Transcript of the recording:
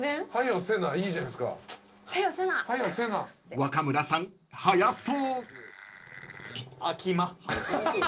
［若村さん速そう］